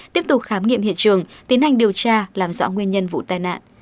tiếp tục khám nghiệm hiện trường tiến hành điều tra làm rõ nguyên nhân vụ tai nạn